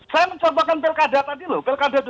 saya mencobakan pekada tadi loh